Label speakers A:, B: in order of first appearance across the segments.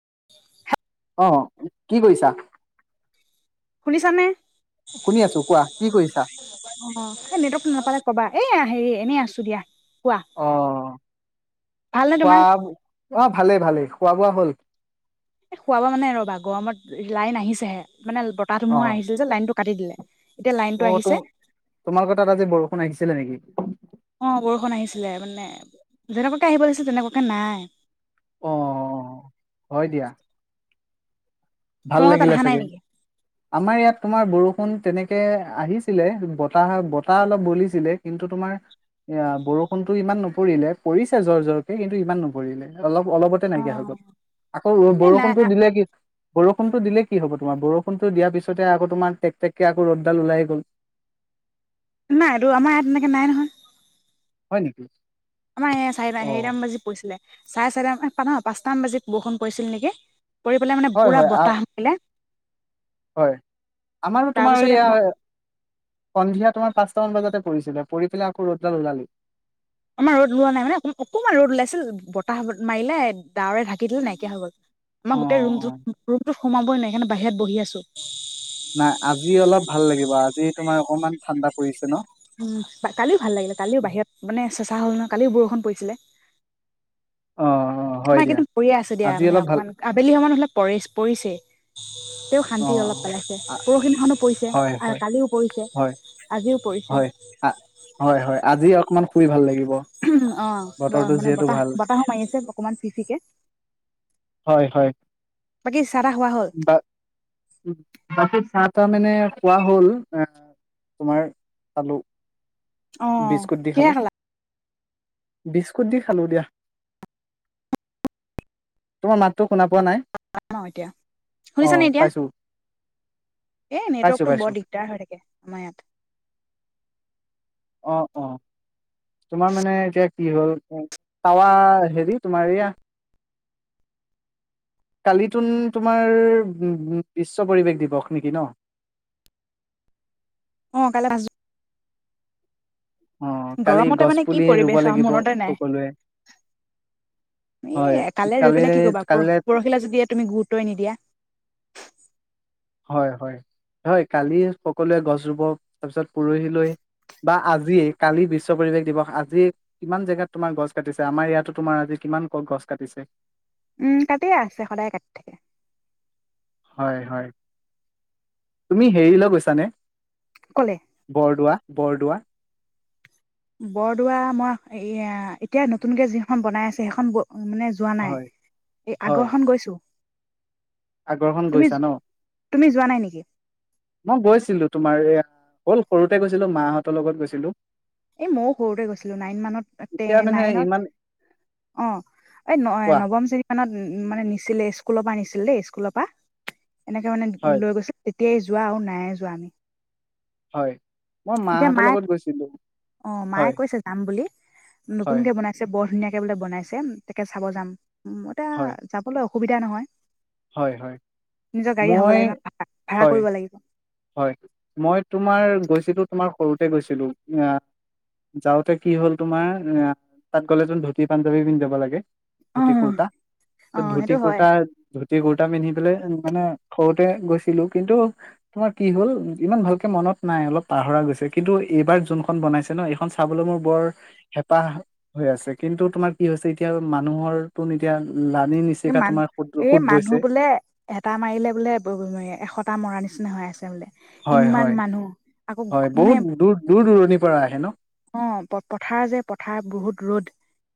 A: [inaudible]
B: অঁ', কি কৰিছা?
A: শুনিছানে?
B: শুনি আছো কোৱা কি কৰিছা
A: অঁ', নেটৱৰ্কতটো নাপালে কবা। এ হেৰি এনেই আছো দিয়া কোৱা
B: অঁ',
A: ভালনে
B: খোৱা
A: তোমাৰ?
B: অঁ। ভালে ভালে খোৱা বোৱা হ'ল।
A: এ খোৱা মানে ৰ'বা গৰমত লাইন আহিছেহে। মানে বতাহ ধুমহোৱা আহিছিল যে লাইনতটো কাটি দিলে। এতিয়া লাইনটো
B: অঁ',
A: আহিছে
B: ত তোমালোকৰ তাত আজি বৰষুণ আহিছে। ছিলে নেকি?
A: অঁ, বৰষুণ আহিছিলে মানে যেনেকুৱাকৈ আহিব লাগছিলে তেনেকুৱাকৈ নাই।
B: অঁ অঁ হয় দিয়া ভাল
A: তোমালোকৰ তাত
B: লাগিলে
A: অহা নাই
B: চাগে
A: নেকি?
B: আমাৰ ইয়াত তোমাৰ বৰষুণ বষুণ তেনেকে আহিছিলে বতাহ বতাহ অলপ বলিছিলে কিন্তু তোমাৰ এ বৰষুনতো ইমান নপৰিলে পৰিছে জৰ জৰকে কিন্তু ইমান নপৰিলে অলপ অলপতে
A: অ
B: নাইকিয়া হৈ গ'ল আকৌ
A: এই নাই
B: বৰষুণতো দিলে কি বৰষুণটো দিলে কি হ'ব তোমাৰ বৰষুণটো দিয়াৰ পিছতে আকৌ তোমাৰ টেক টেকে আকৌ ৰ'দডাল ওলাই গ'ল
A: নাই ৰ আমাৰ ইয়াত তেনেকৈ নাই নহয়
B: হয় নেকি
A: আমাৰ চাৰি
B: অ
A: হেৰিটাম বাজি পৰিছিলে চাৰে চাৰেটান ন পাঁচটামান বাজি বৰষুণ পৰিছিল নেকি কৰি পেলাই মানে
B: হয়
A: পুৰা
B: হয় আ
A: বতাহ মাৰিলে
B: হয় আমাৰো তোমাৰ
A: তাৰপিছতে
B: এয়া
A: মই
B: সন্ধিয়া তোমাৰ পাঁচটা মান বজাতে পৰিছিলে পৰি পেলাই আকৌ ৰ'দাল ওলালি
A: আমাৰ ৰ'দ ওলোৱা নাই মানে অকণমান ৰ'দ ওলাইছিল বতাহ মাৰিলে ডাৱৰে ঢাকি দিলে নাইকিয়া হৈ গ'ল
B: অ অ
A: আমাৰ গোটেই ৰুমটো ৰুমতো সোমাবই নাই সেইকাৰণে বাহিৰত বহি আছো
B: নাই আজি অলপ ভাল লাগিব আজি তোমাৰ অকনমান ঠাণ্ডা পৰিছে ন
A: উম কালিও ভাল লাগিলে কালিও বাহিৰত মানে চেচা হ'ল নহয় কালিও বৰষুণ [inaudible]
B: অ অ হয়
A: আমাৰ
B: দিয়া
A: একেইদম পৰিয়ে আছে দিয়া
B: আজি
A: মানে
B: অলপ ভাল
A: অকমান আবেলি সময়হলে প পৰিছে তেওঁ
B: অ
A: শান্তি অলপ পাইছে
B: অ
A: পৰহি
B: হয় হয়
A: কালিও পৰিছে
B: হয়
A: আজিও পৰিছে
B: হয় হয় হয় আজি অকমান ফুৰি ভাল লাগিল
A: উ অ অ ৰ মানে বতাহ বতাহো মাৰি আছে অকমান চিফিকে
B: হয় হয়
A: বাকী চাহ তাহ খোৱা হল
B: বা ত মানে কোৱা হ'ল এ তোমাৰ আলু
A: অ কি খালা
B: বিস্কুট দি খালো দিয়া তোমাৰ মাতটো শুনা পোৱা নাই
A: এতিয়া
B: অ',
A: শুনিছানে এতিয়া
B: পাইছো,
A: এই
B: পাইছো,
A: নেটৱৰ্কটো
B: পাইছো।
A: বৰ দিগদাৰ হৈ থাকে আমাৰ ইয়াত
B: অ অ তোমাৰ মানে এতিয়া কি হ'ল তাৱা হেৰি তোমাৰ এয়া কালি তোন তোমাৰ উ বিশ্ব পৰিৱেশ দিৱস নেকি ন
A: অ কাইলৈ আজ
B: অ', কালি
A: গৰমতে
B: গছ
A: মানে কি
B: পুলি ৰুব
A: পৰিৱেশ আৰু
B: লাগিব
A: মনতে নাই
B: সকলোৱে হয়,
A: কালে ই
B: কালি
A: পেলাই কি কবা পৰ
B: কাইলে
A: পৰহিলা যদি তুমি গুৰুত্বই নিদিয়া
B: হয় হয় হয় কালি সকলোৱে গছ ৰুব তাৰপিছত পৰহিলৈ বা আজিয়ে কালি বিশ্ব পৰিৱেশ দিৱস আজি কিমান জেগাত তোমাৰ গছ কাটিছে আমাৰ ইয়াতো তোমাৰ আজি কিমান গছ কাটিছে
A: উম কাটিয়ে আছে সদায় কাটি থাকে।
B: হয় হয় তুমি হেৰিলৈ গৈছানে?
A: কলে
B: বৰদোৱা। বৰদোৱা।
A: বৰদোৱা মই হেৰী এ এতিয়া নতুনকে যিখন বনাই আছে সেইখন গৈ। মানে যোৱা নাই।
B: হয়,
A: এই
B: হয়।
A: আগৰখন গৈছোঁ।
B: আগৰখন গৈছা ন?
A: তুমি যোৱা নাই নেকি
B: মই গৈছিলো তোমাৰ এয়া।। হ'ল সৰুতে গৈছিলো মাহঁতৰ লগত গৈছিলো।
A: এই ময়ো সৰুতে গৈছিলো নাইন মানত
B: এতিয়া মানে ইমান
A: নাইনত অ এই ন
B: কোৱা
A: নৱম শ্ৰেণী মানত মানে নিছিলে স্কুল। স্কুলৰ পৰা নিছিল দেই স্কুলৰ পৰা। এনেকে মানে
B: হয়
A: লৈ গৈছে। সেয়ে যোৱা আৰু নায়ে যোৱা আমি।
B: হয়। মই
A: এতিয়া
B: মাহঁতৰ
A: মায়ে
B: লগত গৈছিলো।
A: অ মায়ে
B: হয়
A: কৈছে যাম বুলি
B: হয়
A: নতুনকে বনাইছে বৰ ধুনীয়াকে। এতিয়া বোলে বনাইছে তাকে চাব যাম। উম এতিয়া
B: হয়
A: যাবলৈ। সুবিধা নহয়?
B: হয় হয়
A: নিজৰ গাড়ী হব
B: মই
A: লাগে ন ভাড়া
B: হয়
A: কৰিব লাগিব।
B: হয় মই তোমাৰ গৈছিলো তোমাৰ।। সৰুতে গৈছিলো আহ যাওঁতে কি হ'ল তোমাৰ এ তাত গ'লে তোন ধুতি পাঞ্জাৱী পিন্ধি যাব লাগে?
A: অ
B: ধুতি কুৰ্তা ত
A: অ
B: ধুতি
A: সেইটো হয়
B: কুৰ্তা ধু।। ধুতি কুৰ্তা পিন্ধি পেলাই মানে সৰুতে গৈছিলো। কিন্তু,।। তোমাৰ কি হল ইমান ভালকে মনত নাই। অলপ তোমাৰ কি হ'ল সিমান ভালকে মনত নাই অলপ পাহৰা গৈছে কিন্তু এইবাৰ যোনখন বনাইছে ন এইখন চাবলৈ মোৰ বৰ হেঁপাহ হৈ আছে। কিন্তু তোমাৰ কি হৈছে এতিয়া মানুহৰ তোন এতিয়া।। লানি
A: এই
B: নিচিকা
A: মান
B: তোমাৰ সুত
A: এই
B: সুত
A: মানুহ
B: বৈছে
A: বোলে এটা মাৰিলে বোলে এশটা মৰা নি।। নিচিনা হৈ আছে বোলে?
B: হয়
A: ইমান
B: হয়
A: মানুহ। আকৌ
B: হয়
A: মানে
B: বহুত দূৰ দূৰ দূৰণিৰ পৰা আহে ন
A: অ প পথাৰ যে পথাৰ বহুত ৰ'দ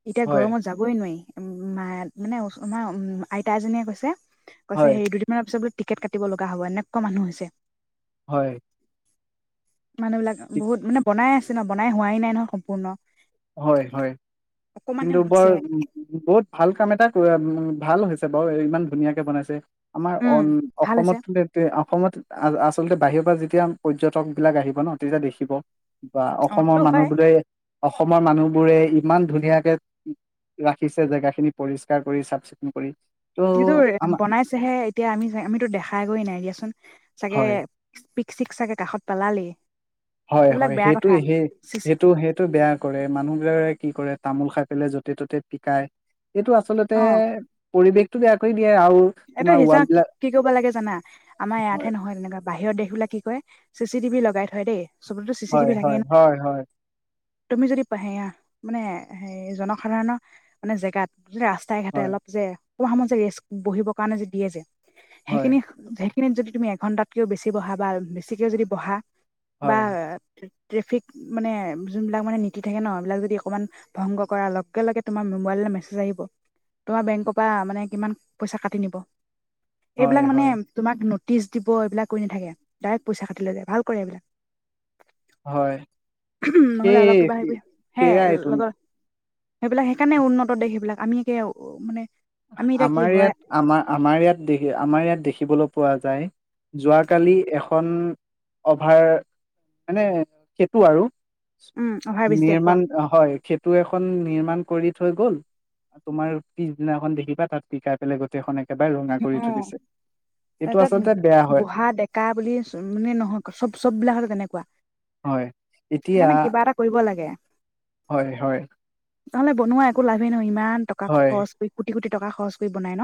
A: এতিয়া
B: হয়
A: গৰমত যাবই নোৱাৰি। উ ম মানে [inaudible] তোমাৰ উম আইতা এজনীয়ে কৈছে।। কৈছে
B: হয়
A: হে দুদিনমান পিছত বোলে।। টিকেট কাটিব লগা হ'ব। এনেকুৱা মানুহ হৈছে।
B: হয়।
A: মানুহ বিলাক
B: ঠিক
A: বহুত মানে বনাই আছে ন বনাই হোৱাই নাই নহ সম্পূৰ্ণ।
B: হয় হয়
A: অকমানহে
B: কিন্তু বৰ
A: হৈছেহে
B: বহুত ভাল কাম এটা উ ভাল হৈছে বাৰু ইমান ধুনীয়াকে বনাইছে আমাৰ অ
A: উম ভাল হৈছে
B: অসমত এয়া সময়ত আচলতে বাহিৰৰ পৰা যেতিয়া পৰ্যটক বিলাক আহিব ন তেতিয়া দেখিব বা
A: অ
B: অসমৰ
A: এইটো
B: মানুহ
A: হয়
B: বোৰে অসমৰ মানুহবোৰে ইমান ধুনীয়াকে ৰাখিছে জেগা খিনি পৰিস্কাৰ কৰি চাফ চিকুণ কৰি ত'
A: এইটো
B: আমাৰ
A: বনাইছেহে এতিয়া আমি আমিতো দেখাইগৈয় নাই দিয়াচোন চাগে
B: হয়
A: পিক চিক চাগে কাষত পেলালেই
B: হয়
A: এইবিলাক
B: হয়
A: বেয়া
B: সেইটো
A: কথা
B: সেই সেইটো সেইটো বেয়া কৰে মানুহ বিলাকে কি কৰে তামোল খাই পোই য'তে ত'তে পিকাই এইটো আচলতে
A: অ
B: পৰিৱেশ বেয়া কৰি দিয়ে আৰু
A: এইটো
B: তোমাৰ
A: সঁচা
B: ৱাল বিলাক
A: কি কৰিব লাগে জানা আমাৰ
B: হয়,
A: ইয়াতহে নহয় তেনেকুৱা বাহিৰৰ দেশ বোলে কি কয় চি চি টি ভ লগাই থয় দেই চবতেতো চি চি
B: হয়
A: টিভি থাকেই
B: হয়
A: ন
B: হয় হয়
A: তুমি যদি প মানে হে জনসাধাৰণৰ মানে জেগাত ৰাস্তাই ঘাটে
B: হয়,
A: অলপ যে কোনোবা সময়ত যে ৰেষ্ট বহিব কাৰণে যে দিয়ে যে
B: হয়,
A: সেইখিনি সেইখিনিত যদি তুমি এঘন্টাত কেও বেছি বহা বা বেছিকেও যদি বহা বা ট্ৰেফিক মানে যোন‌ বিলাক নীতি থাকে ন সেই বিলাক অকমান ভংগ কৰা লগে লগে তোমাৰ মোবাইল লৈ মেছেজ আহিব তোমাৰ বেংকৰ পৰা কিমান পইচা কাটিব তি নিি [unintelligible]
B: হয়,
A: এইবিলাক মানে
B: হয়,
A: তোমাক ন টিচ দিব এইবিলাক কৰি নাথাকে ডাইৰেক্ট পইচা কাটি লৈ যায় ভাল কৰে এইবিলাক
B: হয় সে
A: নহ'লে অলপ কিবা সেইবি হে
B: সেয়া এইটো
A: লগৰ সেইবিলাক সেইকাৰণে উন্নত দেশ সেইবিলাক আমি একে মানে আমি এতিয়া কি
B: আমাৰ
A: হয়
B: ইয়াত আমাৰ আমাৰ ইয়াত দেখিবলৈ আমাৰ ইয়াত দেখিবলৈ পোৱা যায় যোৱাকালি এখন অভাৰ মানে সেইটো আৰু
A: উম অভাৰ ব্ৰিজ দিয়া কোৱা
B: নিৰ্মাণ হয় সেতু তটো এখন নিৰ্মাণ কৰি থৈ গ'ল তোমাৰ পি পিছ দিনা দেখিব তাত পিকাই পেলাই গোটেইখননে
A: অ
B: এইটো
A: তাত
B: আচলতে বেয়া হয়,
A: বুঢ়া ডেকা বুলি মানে নহয় চব চব বিলাক হলে তেনেকুৱা
B: হয়, এতিয়া
A: সেইকাৰণে কিবা এটা কৰিব লাগে
B: হয় হয়
A: নহ'লে বনোৱা একো লাভেই নহয় ইমান টকা
B: হয়,
A: খৰচ কৰি কোটি কোটি টকা খৰচ কৰি বনাই ন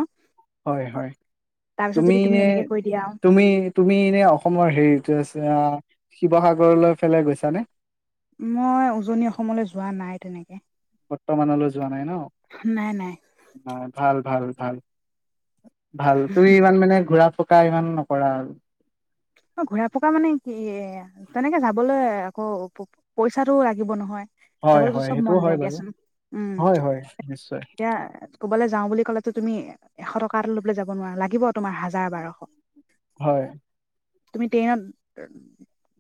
B: হয় হয়
A: তাৰপিছত
B: তুমি
A: যদি
B: এনে
A: এনেকে কৈ দিয়া
B: তুমি তুমি এনে অসমৰ হেৰিটো আছে শিৱসাগৰলৈ ফেলে গৈছানে
A: মই উজনি অসমলৈ যোৱা নাই তেনেকে
B: বৰ্তমানলৈ যোৱা নাই ন
A: নাই নাই
B: নাই ভাল ভাল ভাল ভাল তুমি ইমান মানে ঘূৰা ফ ইমান নকৰা আৰু
A: অ ঘূৰা পকা মানে কি এ তেনেকে যাবলৈ আকৌ পইচাটো লাগিব নহয়
B: হয়
A: যাবলৈতো
B: হয়
A: চব মন
B: সেইটোও হয়
A: যায়
B: বাৰু
A: দিয়াচোন উম
B: হয় হয় নিশ্চয়
A: এতিয়া কবালৈ যাও বুলি ক'লে তো তুমি এশ টকা এটা লৈ পেলে যাব নোৱাৰা লাগিব তোমাৰ হাজাৰ বাৰশ
B: হয়
A: তুমি ট্ৰেইনত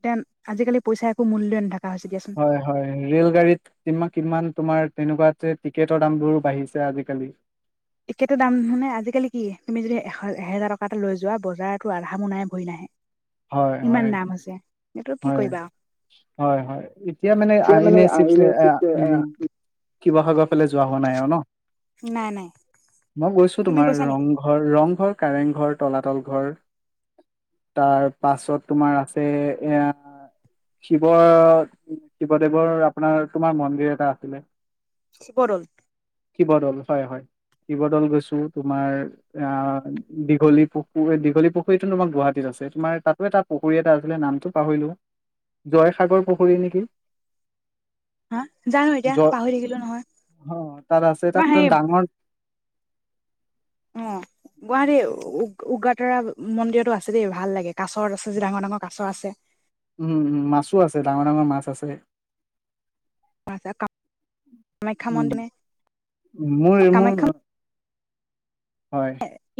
A: তে আজিকালি পইচা একো মূল্য নাথাকে
B: হয় হয় ৰেল গাড়ীত কি কিমান তোমাৰ তেনেকুৱা টিকেটৰ দামবোৰো বাঢ়িছে আজিকালি
A: একেটো দাম নু নে আজিকালি কি তুমি যদি এ এহেজাৰ টকা এটা লৈ যোৱা বজাৰতো আধা মোনাই ভৰি নাহে
B: হয়
A: ইমান
B: হয়
A: দাম হৈছে এইটো কি কৰিবা আৰু।
B: এতিয়া মানে কিবৱসাগত যোৱা হোৱা নাই আৰু ন
A: নাই নাই
B: মই গৈছো
A: তুমি
B: তোমাৰ
A: গৈছা নেকি
B: ৰংঘৰ ৰংঘৰ কাৰেং ঘৰ তলাতল ঘৰ তাৰ পাছত তোমাৰ আছে এ শিৱ শিৱদেৱৰ আপোনাৰ তোমাৰ মন্দিৰ এটা আছিলে
A: বৰল
B: শিৱদল হয় হয় শিৱদৌল গৈছো তোমাৰ অ দীঘলী পুখুৰী দীঘলী পুখুৰীটোো তোমাৰ গুৱাহাটীত আছে তোমাৰ তাত এটা পুখুৰী এটা আছিলে নামটো পাহৰিলো জয়সাগৰ পুখুৰী নেকি
A: হা জানো এতিয়া
B: জয়
A: পাহৰি থাকিলো নহয়
B: অ তাত আছে
A: মাৰ
B: তাত
A: হে
B: ডাঙৰ
A: অ গুৱাহাৰী উগ্ৰতাৰা মন্দিৰতো আছে দেই ভাল লাগে কাছত আছে যে ডাঙৰ ডাঙৰ কাছৰ আছে
B: উম উম মাছো আছে ডাঙৰ ডাঙৰ মাছ আছে
A: কামাখ্যা
B: উম
A: মন্দিৰ নে
B: উ মই মোৰ
A: কামাখ্যা
B: হয়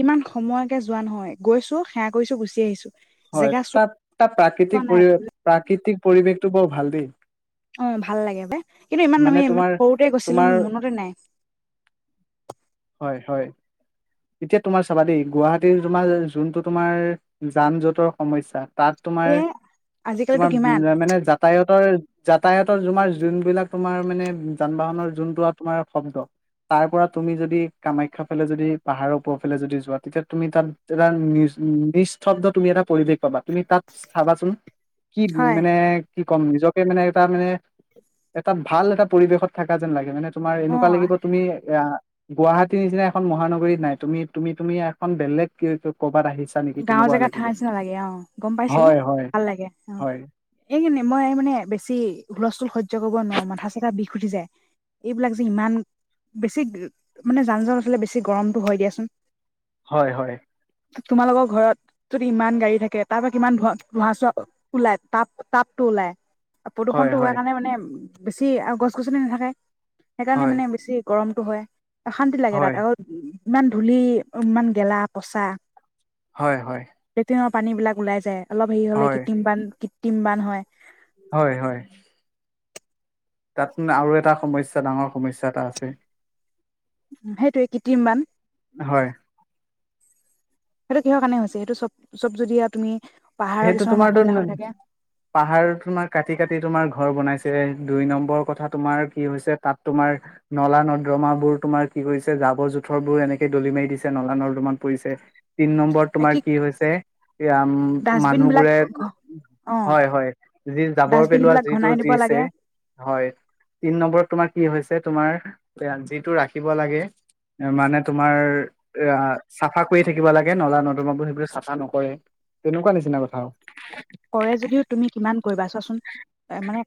A: ইমান সময়কে যোৱা নহয় গৈছো সেৱা কৰিছো গুচি আহিছো
B: হয়
A: জেগা
B: তাত তাত
A: চোৱা
B: প্ৰাকৃতিক
A: নাই
B: পৰিৱেশ প্ৰাকৃতিক। পৰিৱেশটো বৰ ভাল দেই।
A: অ', ভাল লাগে বে। কিন্তু ইমান আমি
B: মানে
A: ইমান
B: তোমাৰ
A: সৰুতে গৈছিলোঁ,
B: তোমাৰ
A: মোৰ মনতে নাই।
B: হয়, হয়। এতিয়া তোমাৰ চাবা দেই, গুৱাহাটীৰ তোমাৰ যোনটো তোমাৰ যান-জোঁটৰ সমস্যা। তাত তোমাৰ
A: এ আজিকালিতো
B: তোমাৰ
A: কিমান
B: মানে যাতায়তৰ। যাতায়াতৰ তোমাৰ যোনবিলাক তোমাৰ মানে, যান বাহনৰ যোনটো তোমাৰ শব্দ, তাৰ পৰা তুমি যদি কামাখ্যা ফালে যদি। পাহাৰৰ ওপৰফালে যদি যোৱা তেতিয়া তুমি তাত এটা নিস্ নিস্তব্ধ তুমি এটা পৰিৱেশ পাবা, তুমি তাত চা চাবাচোন। কি
A: হয়
B: মানে? কি ক'ম নিজকে মানে, এটা মানে, এটা ভাল এটা পৰিৱেশত থাকা যেন লাগে মানে। তোমাৰ
A: অ'
B: এনেকুৱা লাগিব তুমি এ। গুৱাহাটীৰ নিচিনা এখন মহানগৰীত। নাই তুমি, তুমি, তুমি এখন বেলেগ কি ক'ৰবাত আহিছা। নেকি
A: গাঁওৰ
B: তেনেকুৱা
A: জেগাত
B: লাগিব।
A: থাকাৰ নিচিনা লাগে। অ' গম পাইছোঁ।
B: হয় হয়
A: ভাল লাগে অ',
B: হয়
A: এনে এই মই মানে বেছি হুলস্থুল সহ্য। সহ্য‌ই কৰিব নোৱাৰোঁ মাথা চাথা বিষ উঠি যায়। এইবিলাক যে ইমান বেছি মানে যান-যট হ'লে বেছি গৰমটো হয় দিয়াচোন।
B: হয়, হয়।
A: তোমালোকৰ ঘৰত যদি ইমান গাড়ী থাকে, তাৰ পৰা কিমান ধোৱা ধোঁহা-চোৱা ওলাই তাপ তাপটো ওলাই।
B: হয়
A: প্ৰদূষণটো হোৱাৰ
B: হয়
A: কাৰণে মানে। বেছি আও গছ-গছনি নাথাকে। সেইকাৰণে
B: হয়
A: মানে বেছি গৰম। টো হয়। অশান্তি লাগে
B: হয়
A: তাত আৰু। ইমান ধূলি, ইমান গেলা-পচাঁ।
B: হয়, হয়।
A: পানীবিলাক ওলাই যায়। অলপ হেৰি হলে
B: হয়
A: কৃতিম বান কৃত। কৃত্ৰিম বান হয়।
B: হয়, হয়। তাত মানে আৰু এটা সমস্যা ডাঙৰ সমস্যা এটা আছে।
A: সেইটোয়ে কৃত্ৰিমবান।
B: হয়।
A: সেইটো কিহৰ কাৰণে হৈছে, সেইটো চব চব যদি এয়া তুমি। পাহাৰৰ
B: সেইটো
A: কিছুমান
B: তোমাৰ
A: মানুহ
B: তো
A: বিলাক হৈ থাকে
B: পাহাৰ তোমাৰ কাটি কাটি তোমাৰ ঘৰ- ঘৰ বনাইছে দুই নম্বৰ কথা তোমাৰ কি হৈছে তাত তোমাৰ নলা-নৰ্দ্ৰমা বোৰ তোমাৰ কি কৰিছে, জাবৰ- জোথঁৰ বোৰ এনেকে দলি মাৰি দিছে, নলা- নৰ্দমাত পৰিছে। তিন নম্বৰ তোমাৰ কি হৈছে, এয়া ইম-
A: ডাষ্টবিন বিলাক
B: মানুহবোৰে,
A: অ
B: হয় হয় যি জাবৰ
A: ডাষ্টবিন
B: পেলোৱা
A: বিলাক
B: যিটো
A: ঘনাই দিব
B: দিছে,
A: লাগে
B: হয় হয়, তিন নম্বৰ তোমাৰ। কি হৈছে তোমাৰ যিটো ৰাখিব লাগে মানে তোমাৰ এ চাফা কৰিয় থাকিব লাগে নলা নদমাবোৰ সেইবোৰ চাফা নকৰে। তেনেকুৱা নিচিনা - চিনা কথা আও
A: কৰে যদিও তুমি কিমান কৰিবা, চোৱাচোন মানে